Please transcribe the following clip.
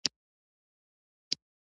قانون د مدني حقونو پر قانون بدل شو.